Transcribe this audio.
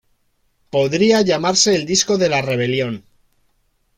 Podría llamarse el disco de la rebelión.